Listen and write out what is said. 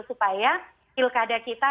supaya pilkada kita